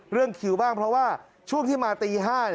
คิวบ้างเพราะว่าช่วงที่มาตี๕